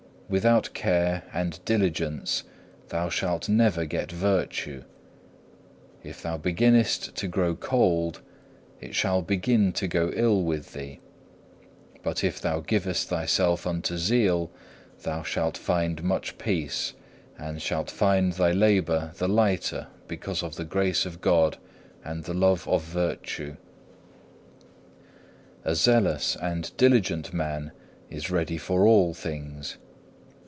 Without care and diligence thou shalt never get virtue. If thou beginnest to grow cold, it shall begin to go ill with thee, but if thou givest thyself unto zeal thou shalt find much peace, and shalt find thy labour the lighter because of the grace of God and the love of virtue. A zealous and diligent man is ready for all things.